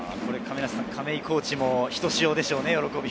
亀井コーチも喜びひとしおでしょうね。